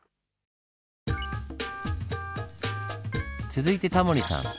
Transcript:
続いてタモリさん